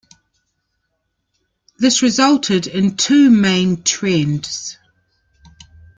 This resulted in two main trends.